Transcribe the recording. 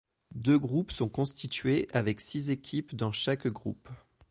Deux groupes sont constitués avec six équipes dans chaque groupe.